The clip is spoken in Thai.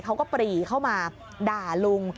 เขาก็ปรีเข้ามาด่าลุง